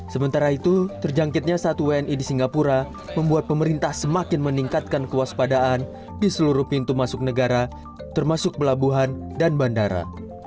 sementara itu terjangkitnya satu wni di singapura membuat pemerintah semakin meningkatkan kewaspadaan di seluruh pintu masuk negara termasuk pelabuhan dan bandara